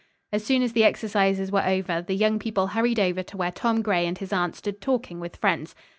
As soon as the exercises were over the young people hurried over to where Tom Gray and his aunt stood talking with friends.